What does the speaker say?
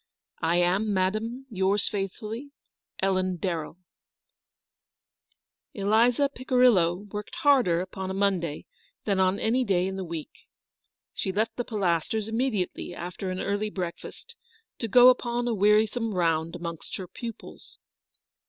" I am, Madam, " Yours faithfully, " Ellen Darrell." GILBEUT MOXCKTOX. 239 Eliza Picirillo worked harder upon a Monday than on aDy other day in the week. She left the Pilasters immediately after an early breakfast, to go upon a wearisome round amongst her pupils.